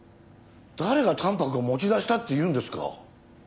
誰がタンパクを持ち出したっていうんですか？